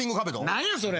何やそれ。